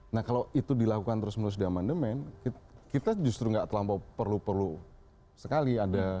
nah kalau itu dilakukan terus menerus di amandemen kita justru nggak terlampau perlu perlu sekali ada